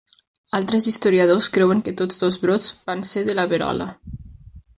Altres historiadors creuen que tots dos brots van ser de la verola.